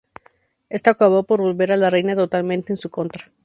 Esto acabó por volver a la reina totalmente en su contra.